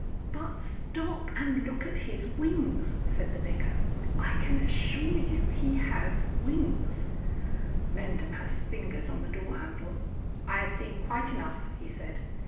"But stop and look at his wings!" said the Vicar. "I can assure you he has wings!" Mendham had his fingers on the door handle. "I have seen quite enough," he said.